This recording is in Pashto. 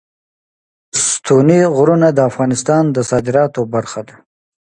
ستوني غرونه د افغانستان د صادراتو برخه ده.